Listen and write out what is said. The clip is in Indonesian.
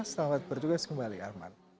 selamat berjugas kembali arman